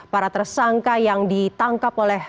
para tersangka yang ditangkap oleh